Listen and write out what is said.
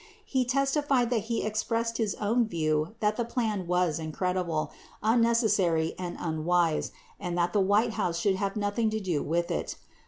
He testified that he expressed his own view that the plan was incredible, unnecessary and unwise and that the White House should have nothing to do with it.